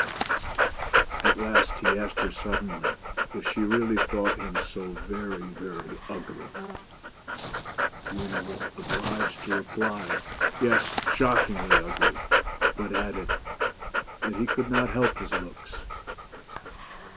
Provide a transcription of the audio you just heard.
At last he asked her suddenly "if she really thought him sg very, very ugly." 97 BEAUTY AND THE BEAST. Beauty was obliged to reply "yes, shockingly ugly!" but added, " that he could not help his looks."